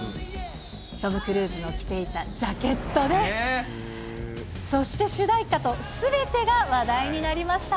トム・クルーズの着ていたジャケットね、そして主題歌とすべてが話題になりました。